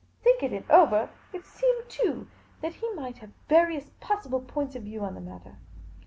Thinking it over, it seemed to me, too, that he might have various possible points of view on the matter.